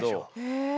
へえ。